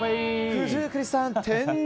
九十九里産「天然」